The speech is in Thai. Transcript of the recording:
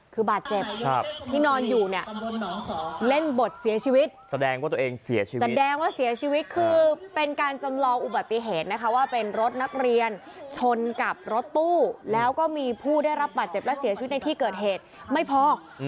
เขาเล่นจริงจังมากเลยนะครับเออ